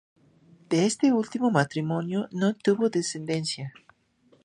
De este último matrimonio no tuvo descendencia.